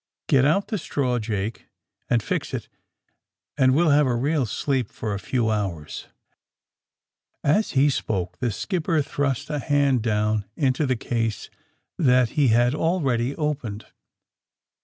Get out the straw, Jake, and fix it, and we'll have a real sleep for a few hours." As he spoke the skipper thrust a hand down into the case that he had already opened.